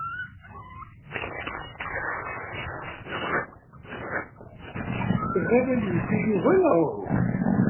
Tebɣiḍ ad yeddu Yuba neɣ uhu?